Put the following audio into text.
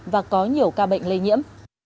và có nhiều ca bệnh lây nhiễm